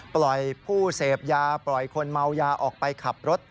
ปล่อยผู้เสพยาปล่อยคนเมายาออกไปขับรถ